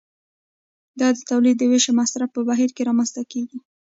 دا د تولید د ویش او مصرف په بهیر کې رامنځته کیږي.